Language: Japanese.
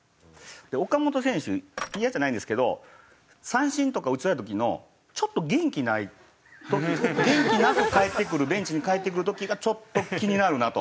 岡本選手イヤじゃないんですけど三振とか打ち取られた時のちょっと元気ない時元気なくかえってくるベンチにかえってくる時がちょっと気になるなと。